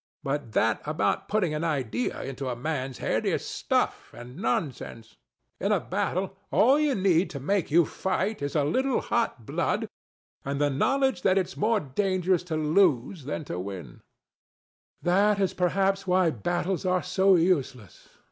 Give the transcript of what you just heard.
But that about putting an idea into a man's head is stuff and nonsense. In a battle all you need to make you fight is a little hot blood and the knowledge that it's more dangerous to lose than to win. DON JUAN. That is perhaps why battles are so useless.